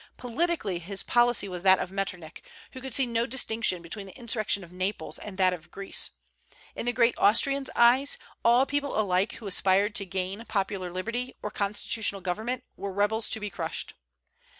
Politically his policy was that of Metternich, who could see no distinction between the insurrection of Naples and that of Greece. In the great Austrian's eyes, all people alike who aspired to gain popular liberty or constitutional government were rebels to be crushed.